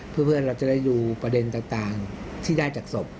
เพื่อนเราจะได้ดูประเด็นต่างที่ได้จากศพ